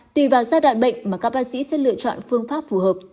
tùy vào giai đoạn bệnh mà các bác sĩ sẽ lựa chọn phương pháp phù hợp